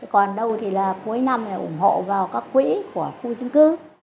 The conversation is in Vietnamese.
còn đâu thì là cuối năm là ủng hộ vào các quỹ của khu dân cư